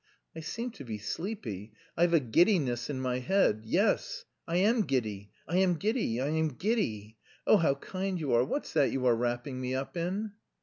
I seem to be sleepy, I've a giddiness in my head. Yes, I am giddy, I am giddy, I am giddy. Oh, how kind you are, what's that you are wrapping me up in?"